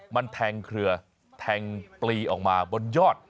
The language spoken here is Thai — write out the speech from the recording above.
มันแทงเครือแทงปลีออกมาบนยอด